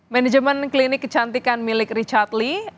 manajemen klinik kecantikan milik richard lee